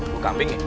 bulu kambing ya